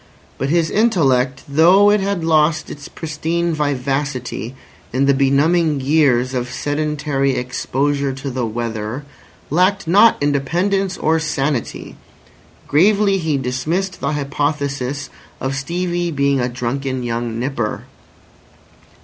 But his intellect, though it had lost its pristine vivacity in the benumbing years of sedentary exposure to the weather, lacked not independence or sanity. Gravely he dismissed the hypothesis of Stevie being a drunken young nipper.